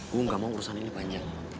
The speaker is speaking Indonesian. gue gak mau urusan ini banyak